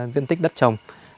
diện tích đất trồng